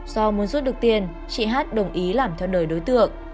do muốn rút được tiền chị h đồng ý làm theo nời đối tượng